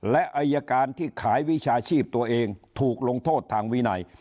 และอายการที่ขายวิชาชีพตัวเองถูกลงโทษทางวินัย